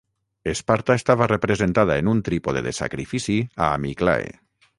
Esparta estava representada en un trípode de sacrifici a Amyclae.